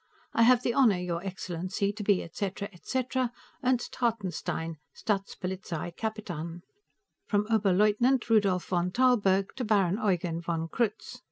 I have the honor, your excellency, to be, et cetera, et cetera. Ernst Hartenstein Staatspolizeikapitan (From Oberleutnant Rudolf von Tarlburg, to Baron Eugen von Krutz.)